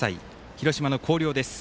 広島の広陵です。